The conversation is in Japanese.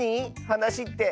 はなしって。